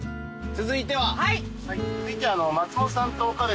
続いては。